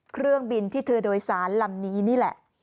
เครื่องบินที่เธอโดยสารลำนี้นี่แหละ